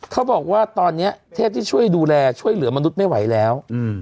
เขาบอกว่าตอนนี้เทพที่ช่วยดูแลช่วยเหลือมนุษย์ไม่ไหวแล้ว